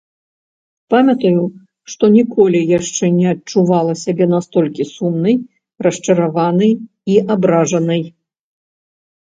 Памятаю, што ніколі яшчэ не адчувала сябе настолькі сумнай, расчараванай і абражанай.